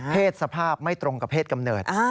สภาพไม่ตรงกับเพศกำเนิด